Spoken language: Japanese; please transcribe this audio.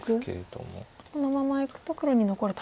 このままいくと黒に残ると。